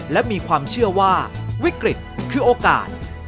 และมีความเชื่อว่าวิกฤตคือโอกาส